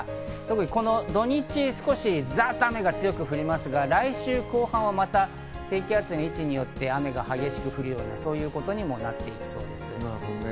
この土日少し、ざっと雨が強く降りますが、来週後半はまた低気圧の位置によって雨が激しく降るようなことにもなっていきそうです。